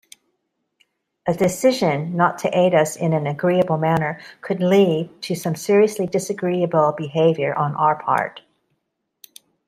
A decision not to aid us in an agreeable manner could lead to some seriously disagreeable behaviour on our part.